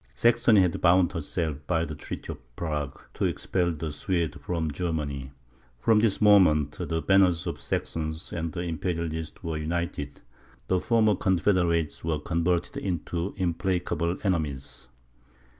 Saxony had bound herself, by the treaty of Prague, to expel the Swedes from Germany. From this moment, the banners of the Saxons and Imperialists were united: the former confederates were converted into implacable enemies.